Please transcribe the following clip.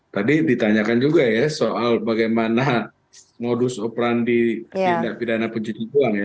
tadi ditanyakan juga ya soal bagaimana modus operandi tindak pidana pencucian uang ya